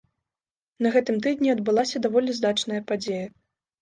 На гэтым тыдні адбылася даволі значная падзея.